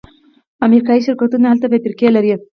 امریکایی شرکتونه هلته فابریکې لري.